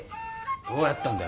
どうやったんだよ！？